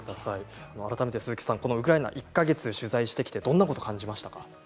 改めて、ウクライナ１か月取材してきてどんなことを感じましたか？